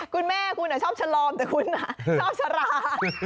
คุณแม่คุณชอบฉลอมแต่คุณชอบชะลา